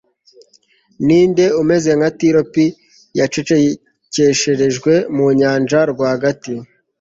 Ni nde umeze nka Tiro b yacecekesherejwe mu nyanja rwagati